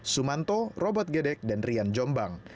sumanto robot gedek dan rian jombang